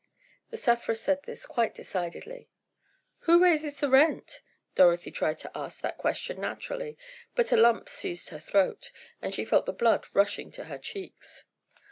The sufferer said this quite decidedly. "Who raises the rents?" Dorothy tried to ask the question naturally, but a lump seized her throat, and she felt the blood rushing to her cheeks.